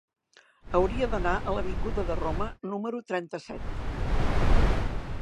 Hauria d'anar a l'avinguda de Roma número trenta-set.